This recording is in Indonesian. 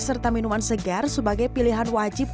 serta minuman segar sebagai pilihan wajib